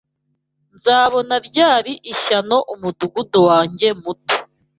Nzabona ryari ishyano umudugudu wanjye muto